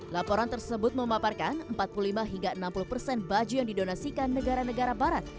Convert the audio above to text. laporan tersebut memaparkan empat puluh lima hingga enam puluh persen baju yang didonasikan negara negara barat